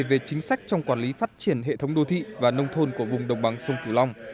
về chính sách trong quản lý phát triển hệ thống đô thị và nông thôn của vùng đồng bằng sông cửu long